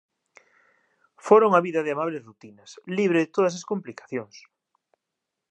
Fora unha vida de amables rutinas, libre de todas as complicacións.